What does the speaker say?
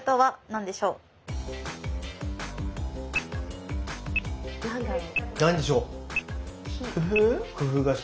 何でしょう？工夫？